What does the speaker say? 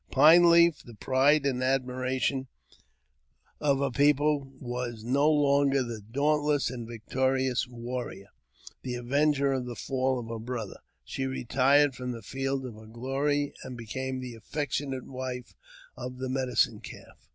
Pine Leaf, the pride and admiration of her people, was no longer the dauntless and victorious warrior, the avenger of the fall of her brother. She retired from the field of her glory, and became the affectionate wife of the Medicine Calf.